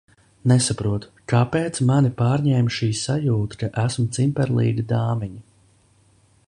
Nesaprotu, kāpēc mani pārņēma šī sajūta, ka esmu cimperlīga dāmiņa?